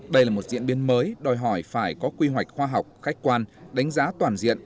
đây là một diễn biến mới đòi hỏi phải có quy hoạch khoa học khách quan đánh giá toàn diện